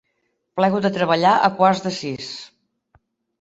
Plego de treballar a quarts de sis.